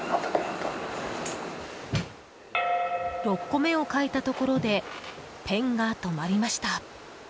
６個目を書いたところでペンが止まりました。